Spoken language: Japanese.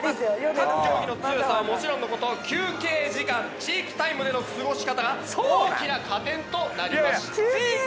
各競技の強さはもちろんの事休憩時間チークタイムでの過ごし方が大きな加点となりました。